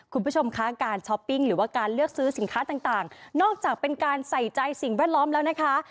คุณผู้ชมคะการช้อปปิ้งหรือว่าการเลือกซื้อสินค้าต่างนอกจากเป็นการใส่ใจสิ่งแวดล้อมแล้วนะคะ